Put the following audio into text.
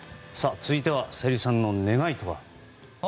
続いては小百合さんの願いとは。